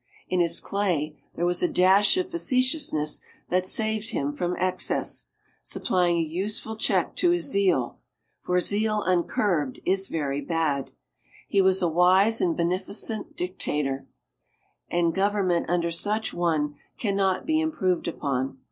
In his clay there was a dash of facetiousness that saved him from excess, supplying a useful check to his zeal for zeal uncurbed is very bad. He was a wise and beneficent dictator; and government under such a one can not be improved upon.